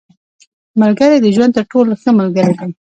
• ملګری د ژوند تر ټولو ښه ملګری دی.